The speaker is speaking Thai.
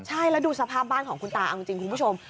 ใช่แล้วดูสภาพบ้านของคุณตาเอาจริงคุณผู้ชม